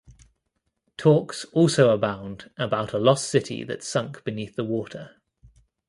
Talks also abound about a lost city that sunk beneath the water.